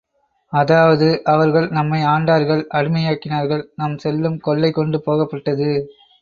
அதாவது அவர்கள் நம்மை ஆண்டார்கள் அடிமையாக்கினார்கள் நம் செல்வம் கொள்ளை கொண்டு போகப்பட்டது.